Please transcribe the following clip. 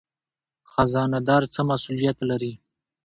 خزانه دار څه مسوولیت لري؟